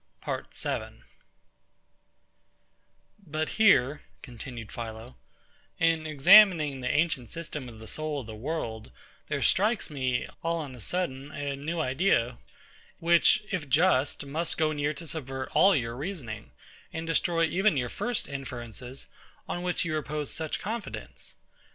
PART 7 But here, continued PHILO, in examining the ancient system of the soul of the world, there strikes me, all on a sudden, a new idea, which, if just, must go near to subvert all your reasoning, and destroy even your first inferences, on which you repose such confidence.